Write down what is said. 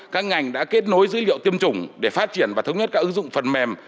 các ngành đã kết nối dữ liệu tiêm chủng để phát triển và thống nhất các ứng dụng phần mềm